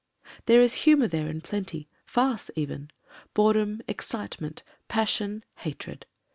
There is humour there in plenty — farce even ; bore dom, excitement, passion, hatred.